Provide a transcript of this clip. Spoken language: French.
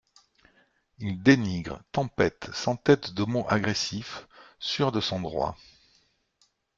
Il dénigre, tempête, s’entête de mots agressifs, sûr de son droit.